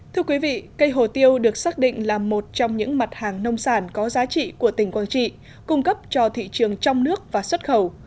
thưa quý vị cây hồ tiêu được xác định là một trong những mặt hàng nông sản có giá trị của tỉnh quảng trị cung cấp cho thị trường trong nước và xuất khẩu